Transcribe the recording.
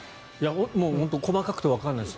本当に細かくてわからないです。